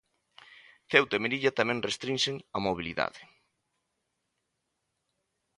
Ceuta e Melilla tamén restrinxen a mobilidade.